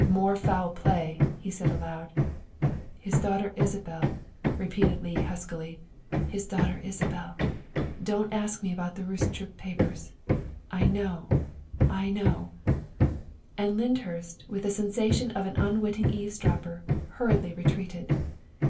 " More foul play," he said aloud. '' His daughter Isabel, '' repeated Leigh huskily, '' his daughter Isabel. Don't ask me about the Roostchook papers. I know I know." And Lyndhurst, with the sensation of an unwitting eavesdropper, hurriedly retreated.